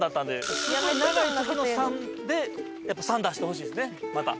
すごい長いとこの「３」でやっぱ「３」出してほしいですねまた。